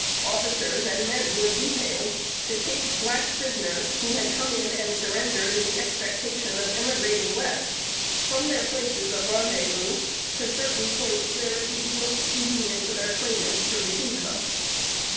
Officers and men were detailed to take black prisoners who had come in and surrendered with the expectation of emigrating West from their places of rendezvous to certain points where it would be most convenient for claimants to receive them.